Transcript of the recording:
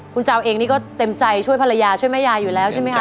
คุณเจ้าเองนี่ก็เต็มใจช่วยภรรยาช่วยแม่ยายอยู่แล้วใช่ไหมคะ